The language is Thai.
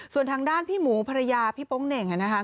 ส่วนทางด้านพี่หมูภรรยาพี่โป๊งเหน่งนะคะ